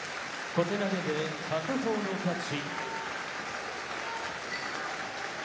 小手投げで白鵬の勝ち」。